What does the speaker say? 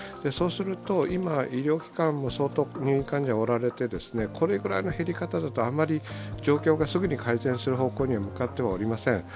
そうすると、今、医療機関も相当民間ではおられてこれぐらいの減り方だと状況がすぐに改善する方向には向かっておりません。